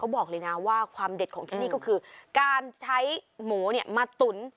บอกเลยนะว่าความเด็ดของที่นี่ก็คือการใช้หมูมาตุ๋น